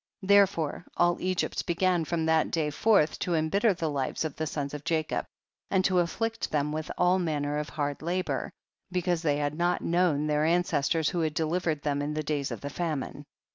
6. Therefore all Egypt began from that day forth to embitter the lives of the sons of Jacob, and to afflict them Avith all manner of hard labor, be cause they had not known their an cestors who had delivei'ed them in the days of the famine.